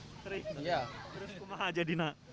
terus kumaha aja dina